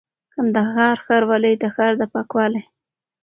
:کندهار ښاروالي د ښار د پاکوالي،